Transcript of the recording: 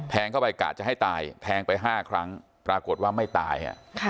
เข้าไปกะจะให้ตายแทงไป๕ครั้งปรากฏว่าไม่ตาย